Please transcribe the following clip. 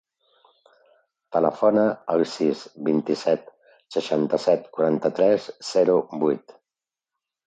Telefona al sis, vint-i-set, seixanta-set, quaranta-tres, zero, vuit.